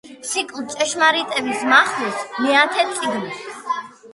ციკლ „ჭეშმარიტების მახვილის“ მეათე წიგნი.